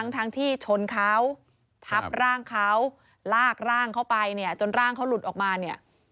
ทั้งที่ชนเขาทับร่างเขาลากร่างเข้าไปเนี่ยจนร่างเขาหลุดออกมาเนี่ย